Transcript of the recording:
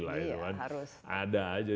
lah ya harus ada aja